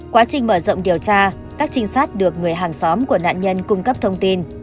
quá trình mở rộng điều tra các trinh sát được người hàng xóm của nạn nhân cung cấp thông tin